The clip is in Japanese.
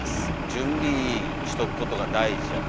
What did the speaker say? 準備しとくことが大事やったりとか。